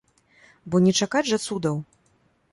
Бо не чакаць жа цудаў!